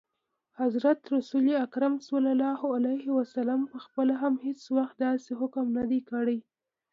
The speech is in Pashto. حضرت رسول اکرم ص پخپله هم هیڅ وخت داسي حکم نه دی کړی.